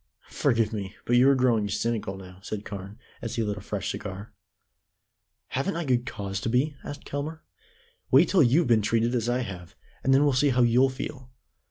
"Forgive me, but you are growing cynical now," said Carne, as he lit a fresh cigar. "Haven't I good cause to be?" asked Kelmare. "Wait till you've been treated as I have, and then we'll see how you'll feel.